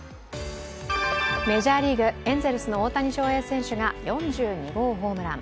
メジャーリーグ、エンゼルスの大谷翔平選手が４２号ホームラン。